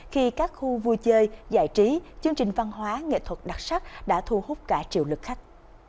khi các khu vui chơi giải trí chương trình văn hóa nghệ thuật đặc sắc đã thu hút cả triệu lực khách